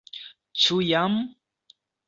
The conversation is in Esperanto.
Ĉu jam?